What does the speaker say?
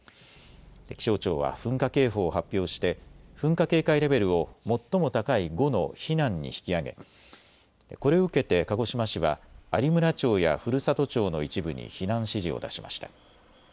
気象庁は噴火警報を発表して噴火警戒レベルを最も高い５の避難に引き上げ、これを受けて鹿児島市は有村町や古里町の一部に避難指示を出しました。